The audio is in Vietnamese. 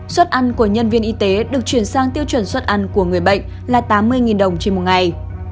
suất ăn của nhân viên y tế được chuyển sang tiêu chuẩn suất ăn của người bệnh là tám mươi đồng trên một ngày